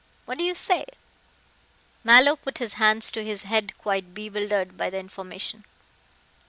What do you say?" Mallow put his hands to his head quite bewildered by the information.